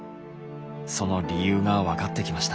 その理由が分かってきました。